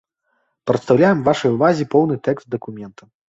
Прадстаўляем вашай увазе поўны тэкст дакумента.